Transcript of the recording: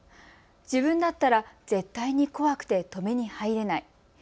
自分だったら絶対に怖くて止めに入れない。